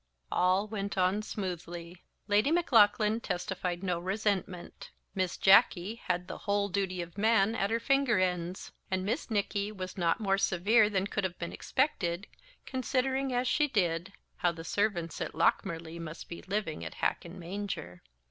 All went on smoothly. Lady Maclaughlan testified no resentment. Miss Jacky had the "The Whole Duty of Man" at her finger ends; and Miss Nicky was not more severe than could have been expected, considering, as she did, how the servants at Lochmarlie must be living at hack and manger.